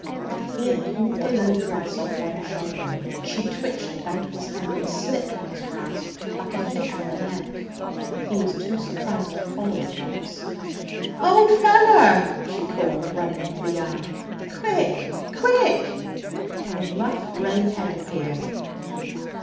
He had pulled the low dress off one shoulder. She twitched it out of his hand and slipped from his grasp like a fish from a net. He was too surprised to follow at once. 'Old feller!' she called, running into the yard, 'quick! quick!' A rough grey head appeared.